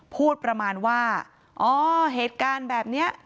พูดประมาณว่าอ๋อเหตุการณ์แบบนี้